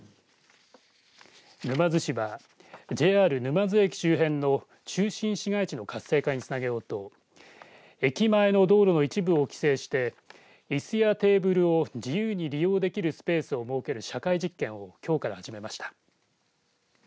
沼津市は、ＪＲ沼津駅周辺の中心市街地の活性化につなげようと駅前の道路の一部を規制していすやテーブルを自由に利用できるスペースを設ける社会実験をきょうから始めました。